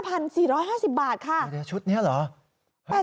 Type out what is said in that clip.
อันเดียวชุดนี้หรอ